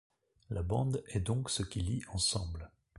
La bande est donc ce qui lie ensemble.